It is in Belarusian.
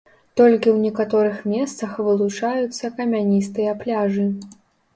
Толькі ў некаторых месцах вылучаюцца камяністыя пляжы.